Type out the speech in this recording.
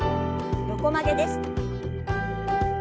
横曲げです。